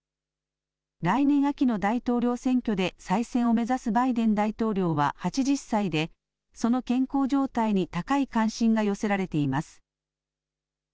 来年秋の大統領選挙で再選を目指すバイデン大統領は８０歳でその健康状態に高い関心が寄せられています。